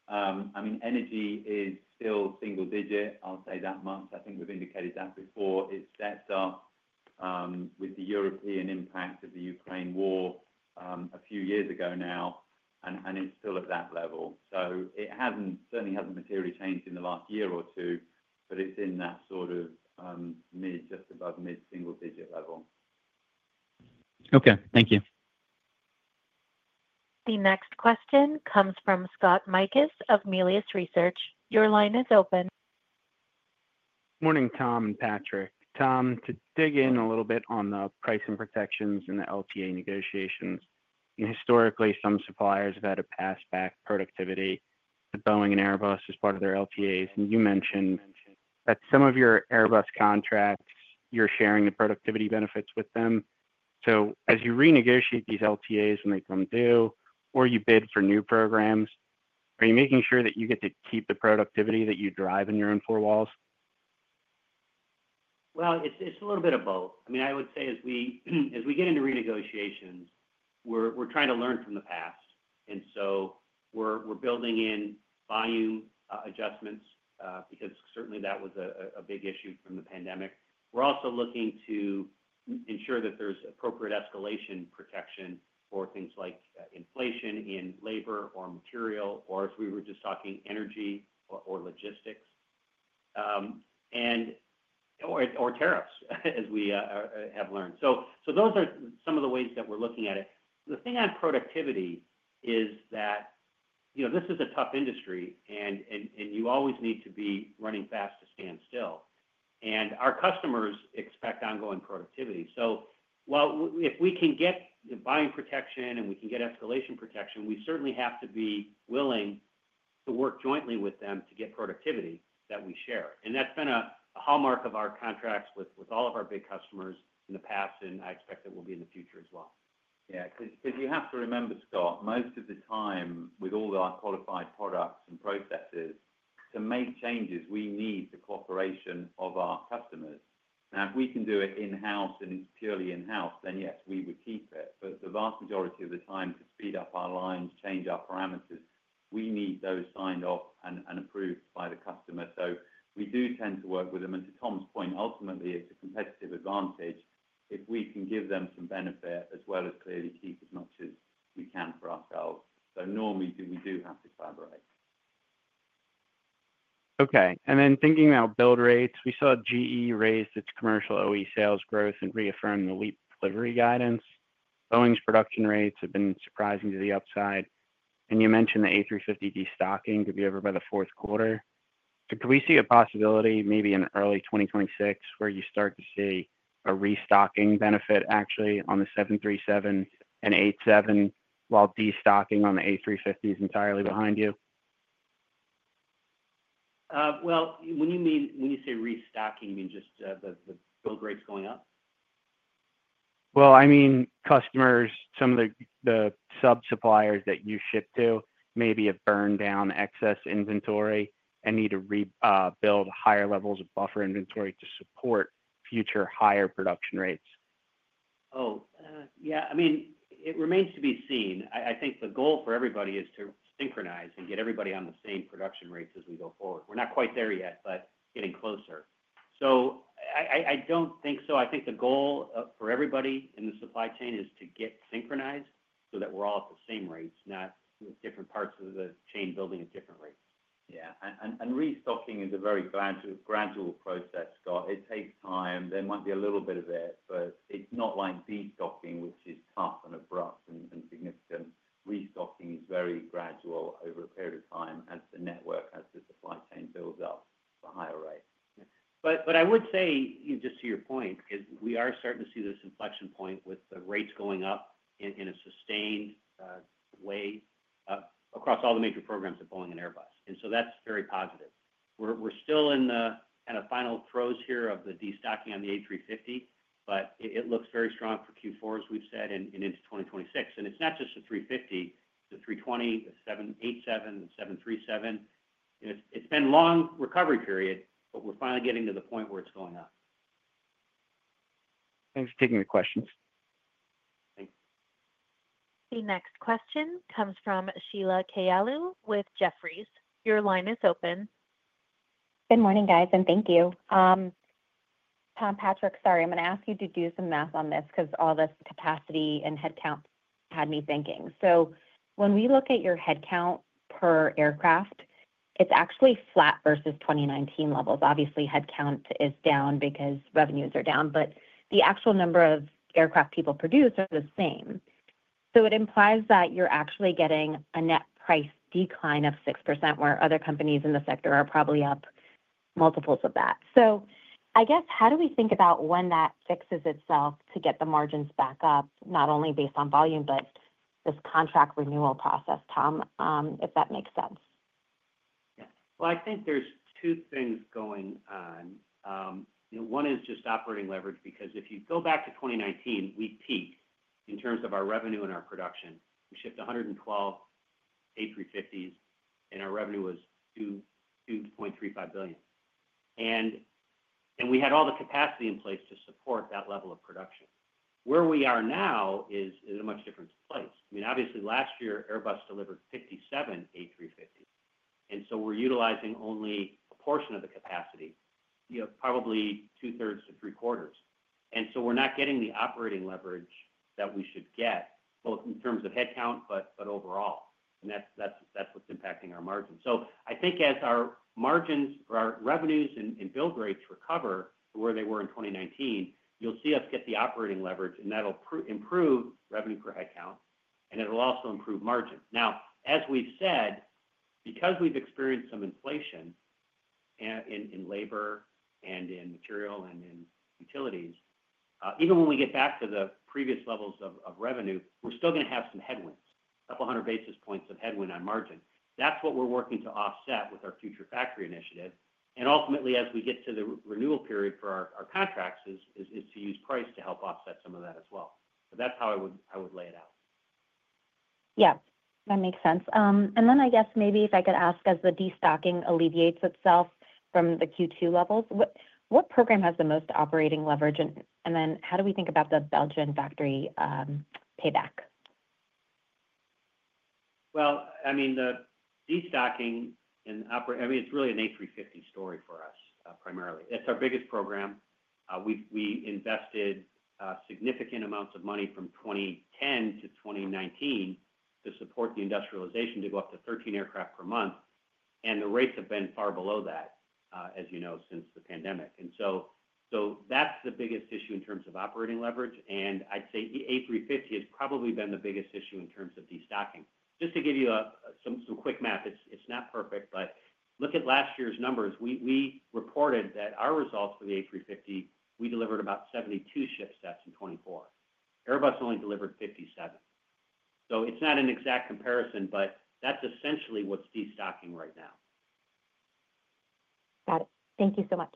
I mean, energy is still single digit, I'll say that much. I think we've indicated that before. It stepped up with the European impact of the Ukraine war a few years ago now, and it's still at that level. It hasn't, certainly hasn't materially changed in the last year or two, but it's in that sort of mid, just above mid single digit level. Okay, thank you. The next question comes from Scott Mikus of Melius Research. Your line is open. Morning, Tom and Patrick. Tom, to dig in a little bit on the pricing protections and the LTA negotiations. Historically, some suppliers have had to pass back productivity, Boeing and Airbus, as part of their LTAs, and you mentioned that some of your Airbus contracts, you're sharing the productivity benefits with them. As you renegotiate these LTAs when they come due or you bid for new programs, are you making sure that you get to keep the productivity that you drive in your own four walls? I would say as we get into renegotiations, trying to learn from the past, we're building in volume adjustments because certainly that was a big issue from the pandemic. We're also looking to ensure that there's appropriate escalation protection for things like inflation in labor or material, or if we were just talking energy or logistics or tariffs, as we have learned. Those are some of the ways that we're looking at it. The thing on productivity is that this is a tough industry and you always need to be running fast to stand still. Our customers expect ongoing productivity. If we can get buying protection and we can get escalation protection, we certainly have to be willing to work jointly with them to get productivity that we share. That's been a hallmark of our contracts with all of our big customers in the past, and I expect it will be in the future as well. Yeah, because you have to remember, Scott, most of the time with all our qualified products and processes to make changes, we need the cooperation of our customers. If we can do it in house, and it's purely in house, then yes, we would keep it. The vast majority of the time to speed up our lines, change our parameters, we need those signed off and approved by the customer. We do tend to work with them. To Tom's point, ultimately it's a competitive advantage if we can give them some benefit as well as clearly keep as much as we can for ourselves. Normally we do have to collaborate. Okay. Thinking about build rates, we saw GE raised its commercial OE sales growth and reaffirmed the LEAP delivery guidance. Boeing's production rates have been surprising to the upside. You mentioned the A350 destocking too. Be over by the fourth quarter. Could we see a possibility maybe in early 2026 where you start to see a restocking benefit actually on the 737 MAX and 787, while destocking on the A350 is entirely behind you? When you say restocking, just the build rates going up. Customers, some of the sub suppliers that you ship to maybe have burned down excess inventory and need to rebuild higher levels of buffer inventory. To support future higher production rates. I mean, it remains to be seen. I think the goal for everybody is to synchronize and get everybody on the same production rates as we go forward. We're not quite there yet, but getting closer. I don't think so. I think the goal for everybody in the supply chain is to get synchronized so that we're all at the same rates, not different parts of the chain building at different rates. Restocking is a very gradual process, Scott. It takes time. There might be a little bit of it, but it's not like destocking, which is tough, abrupt, and significant. Restocking is very gradual over a period of time as the network, as the supply chain builds up for higher rates. I would say just to your point, we are starting to see this inflection point with the rates going up in a sustained way across all the major programs at Boeing and Airbus. That is very positive. We're still in the kind of final throes here of the destocking on the A350, but it looks very strong for Q4, as we've said, and into 2026. It's not just the A350, the A320neo, the 787, 737 MAX. It's been a long recovery period, but we're finally getting to the point where it's going up. Thanks for taking the questions. The next question comes from Sheila Kahyaoglu with Jefferies. Your line is open. Good morning, guys, and thank you. Tom, Patrick, sorry, I'm going to ask you to do some math on this, because all this capacity and headcount had me thinking. When we look at your headcount per aircraft, it's actually flat versus 2019 levels. Obviously, headcount is down because revenues are down, but the actual number of aircraft people produce are the same. It implies that you're actually getting a net price decline of 6% where other companies in the sector are probably up multiples of that. I guess how do we think about when that fixes itself to get the margins back up, not only based on volume, but this contract renewal process, Tom, if that makes sense. I think there's two things going on. One is just operating leverage, because if you go back to 2019, we peaked in terms of our revenue and our production. We shipped 112 A350s and our revenue was $2.35 billion. We had all the capacity in place to support that level of production. Where we are now is a much different place. Obviously, last year Airbus delivered 57 A350s, and so we're utilizing only a portion of the capacity, probably 2/3 to 3/4. We're not getting the operating leverage that we should get, both in terms of headcount, but overall. That's what's impacting our margin. I think as our margins, our revenues, and build rates recover to where they were in 2019, you'll see us get the operating leverage, and that will improve revenue per headcount, and it will also improve margin. As we've said, because we've experienced some inflation in labor and in material and in utilities, even when we get back to the previous levels of revenue, we're still going to have some headwinds. Couple hundred basis points of headwind on margin. That's what we're working to offset with our future factory initiative. Ultimately, as we get to the renewal period for our contracts, the goal is to use price to help offset some of that as well. That's how I would lay it out. Yeah, that makes sense. If I could ask, as the destocking alleviates itself from the Q2 levels, what program has the most operating leverage? How do we think about the Belgian factory payback? The destocking, it's really an A350 story for us. Primarily, it's our biggest program. We invested significant amounts of money from 2010 to 2019 to support the industrialization, to go up to 13 aircraft per month. The rates have been far below that, as you know, since the pandemic. That's the biggest issue in terms of operating leverage. I'd say A350 has probably been the biggest issue in terms of destocking. Just to give you some quick math, it's not perfect, but look at last year's numbers. We reported that our results for the A350, we delivered about 72 ship sets in 2024. Airbus only delivered 57. It's not an exact comparison, but that's essentially what's destocking right now. Got it. Thank you so much.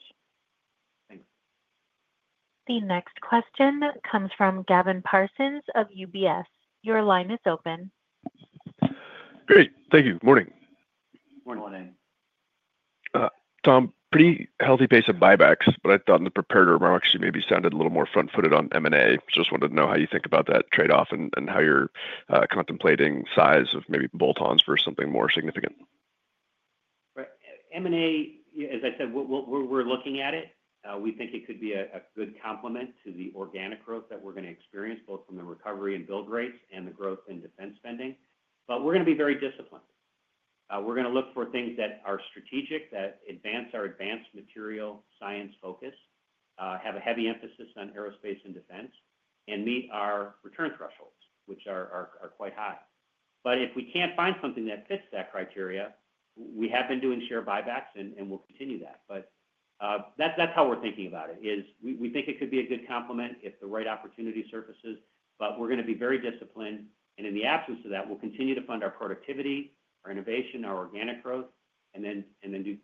Thanks. The next question comes from Gavin Parsons of UBS. Your line is open. Great, thank you. Morning, Tom. Pretty healthy pace of buybacks, but I thought in the prepared remarks you maybe sounded a little more front footed on M&A. Just wanted to know how you think about that trade off and how you're contemplating size of maybe bolt ons for something more significant. Right. M&A. As I said, we're looking at it. We think it could be a good complement to the organic growth that we're going to experience, both from the recovery and build rates and the growth in defense spending. We're going to be very disciplined. We're going to look for things that are strategic, that advance our advanced material science focus, have a heavy emphasis on aerospace and defense, and meet our return thresholds, which are quite high. If we can't find something that fits that criteria, we have been doing share buybacks and will continue. That's how we're thinking about it. We think it could be a good complement if the right opportunity surfaces. We're going to be very disciplined, and in the absence of that, we'll continue to fund our productivity, our innovation, our organic growth, and then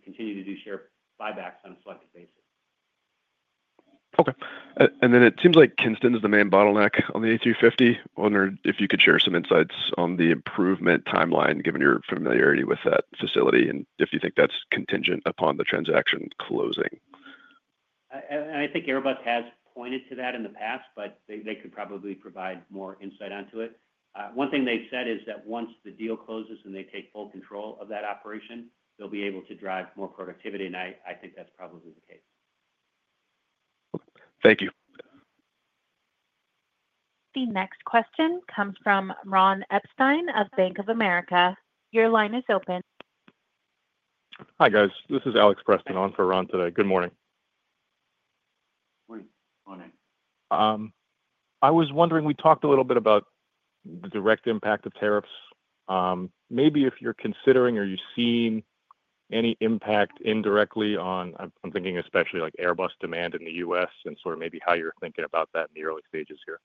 continue to do share buybacks on a selected basis. Okay. It seems like Kingston is the main bottleneck on the A350. Wonder if you could share some insights on the improvement timeline given your familiarity with that facility, and if you think that's contingent upon. The transaction closing, I think Airbus has pointed to that in the past, but they could probably provide more insight onto it. One thing they've said is that once the deal closes and they take full control of that operation, they'll be able to drive more productivity. I think that's probably the case. Thank you. The next question comes from Ron Epstein of Bank of America. Your line is open. Hi, guys. This is Alex Preston on for Ron today. Good morning. I was wondering, we talked a little. Bit about the direct impact of tariffs. Maybe if you're considering, are you seeing any impact indirectly on, I'm thinking especially like Airbus demand in the U.S. and sort of maybe how you're thinking about that in the early stages here.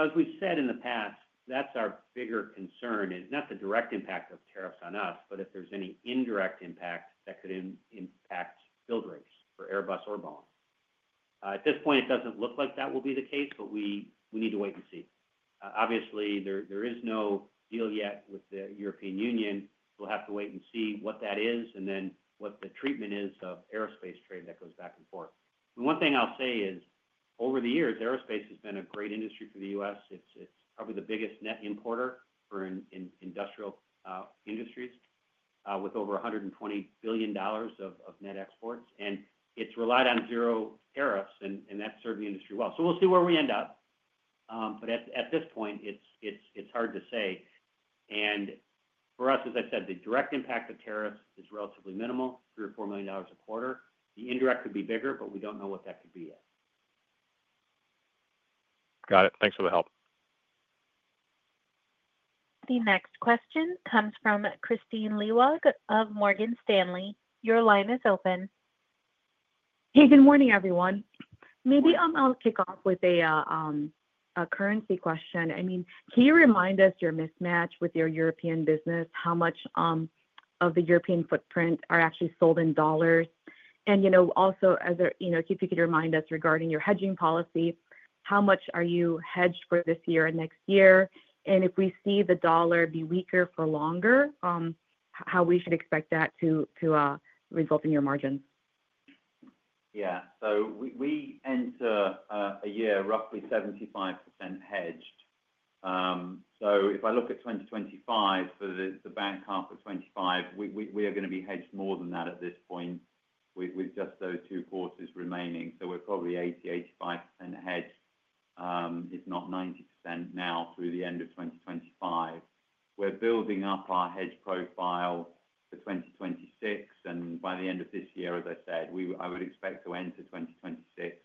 As we said in the past, that's our bigger concern is not the direct impact of tariffs on us, but if there's any indirect impact that could impact build rates for Airbus or Boeing. At this point, it doesn't look like that will be the case. We need to wait and see. Obviously, there is no deal yet with the European Union. We'll have to wait and see what that is and then what the treatment is of aerospace trade that goes back and forth. One thing I'll say is over the years, aerospace has been a great industry for the U.S. It's probably the biggest net importer for industrial industries with over $120 billion of net exports, and it's relied on zero tariffs. That served the industry well. We'll see where we end up. At this point, it's hard to say. For us, as I said, the direct impact of tariffs is relatively minimal or $4 million a quarter. The indirect could be bigger, but we don't know what that could be yet. Got it. Thanks for the help. The next question comes from Kristine Liwag of Morgan Stanley. Your line is open. Hey, good morning, everyone. Maybe I'll kick off with a currency question. Can you remind us your mismatch with your European business? How much of the European footprint are actually sold in dollars? If you could remind us regarding your hedging policy, how much are you hedged for this year and next year? If we see the dollar be weaker for longer, how should we expect that to result in your margins? Yeah. We enter a year roughly 75% hedged. If I look at 2025, for the back half of 2025, we are going to be hedged more than that at this point with just those two quarters remaining. We're probably 80%, 85% hedged, if not 90% now through the end of 2025. We're building up our hedge profile for 2026, and by the end of this year, as I said, I would expect to enter 2026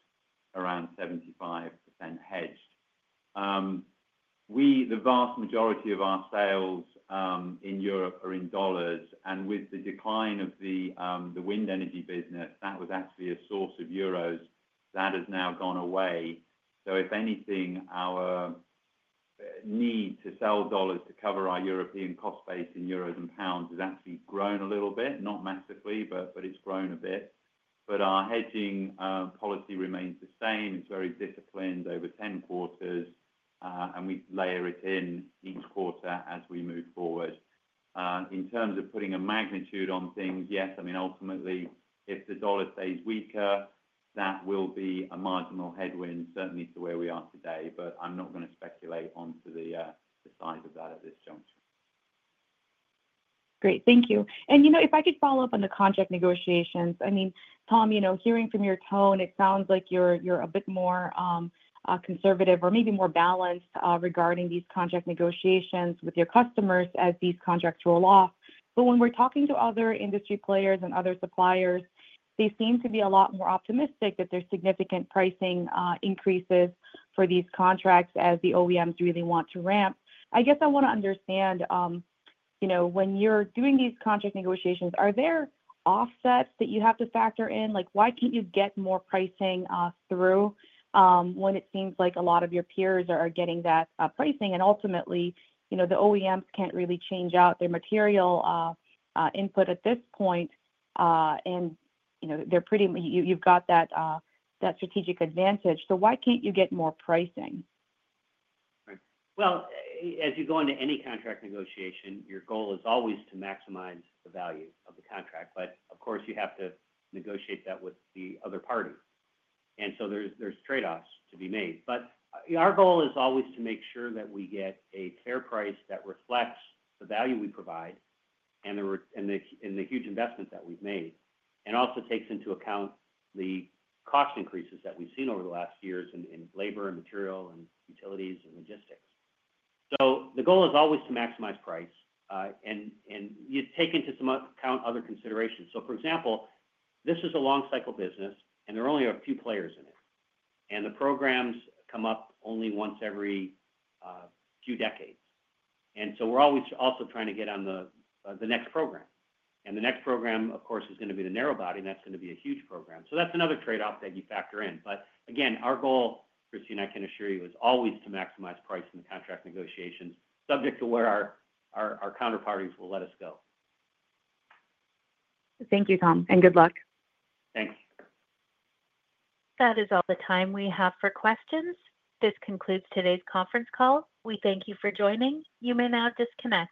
around 75% hedged. The vast majority of our sales in Europe are in dollars, and with the decline of the wind energy business, that was actually a source of euros that has now gone away. If anything, our need to sell dollars to cover our European cost base in euros and pounds has actually grown a little bit. Not massively, but it's grown a bit. Our hedging policy remains the same. It's very disciplined, over 10 quarters, and we layer it in each quarter as we move forward. In terms of putting a magnitude on things, yes, ultimately, if the dollar stays weaker, that will be a marginal headwind, certainly to where we are today. I'm not going to speculate onto the size of that at this juncture. Great, thank you. If I could follow up on the contract negotiations. Tom, hearing from your tone, it sounds like you're a bit more conservative or maybe more balanced regarding these contract negotiations with your customers as these contracts roll off. When we're talking to other industry players and other suppliers, they seem to be a lot more optimistic that there's significant pricing increases for these contracts as the OEMs really want to ramp. I guess I want to understand, when you're doing these contract negotiations, are there offsets that you have to factor in? Why can't you get more pricing through when it seems like a lot of your peers are getting that pricing? Ultimately, the OEMs can't really change out their material input at this point. They're pretty, you've got that strategic advantage. Why can't you get more pricing? As you go into any contract negotiation, your goal is always to maximize the value of the contract. Of course, you have to negotiate that with the other party, and there are trade offs to be made. Our goal is always to make sure that we get a fair price that reflects the value we provide and the huge investment that we've made, and also takes into account the cost increases that we've seen over the last years in labor, material, utilities, and logistics. The goal is always to maximize price, and you take into some account other considerations. For example, this is a long cycle business and there are only a few players in it, and the programs come up only once every few decades. We're always also trying to get on the next program, and the next program, of course, is going to be the narrow body, and that's going to be a huge program. That's another trade off that you factor in. Again, our goal, Kristine, I can assure you, is always to maximize price in the contract negotiations, subject to where our counterparties will let us go. Thank you, Tom, and good luck. Thanks. That is all the time we have for questions. This concludes today's conference call. We thank you for joining. You may now disconnect.